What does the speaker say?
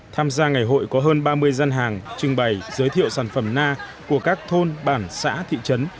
tham gia ngày hội có hơn ba mươi gian hàng trưng bày giới thiệu sản phẩm na của các thôn bản xã thị trấn